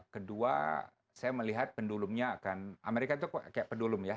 kedua saya melihat pendulumnya akan amerika itu kayak pendulum ya